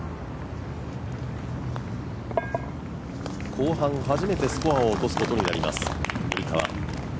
後半初めてスコアを落とすことになります、堀川。